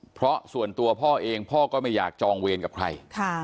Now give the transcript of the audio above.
เพราะส่วนตัวพ่อเองพ่อก็ไม่อยากจองเวรกับใคร